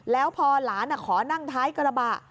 แล้วพอหลานขอนั่งท้ายกระบะ